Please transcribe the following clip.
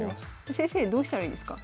先生どうしたらいいですか？